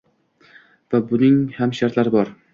Va buning ham shartlari bor.